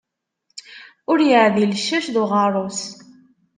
Ur yeɛdil ccac d uɣerrus.